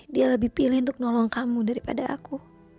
dia lebih pilih untuk nolong kamu daripada aku